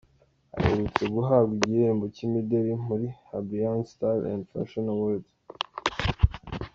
Aherutse guhabwa igihembo cy’imideli muri Abryanz Style&Fashion Awards.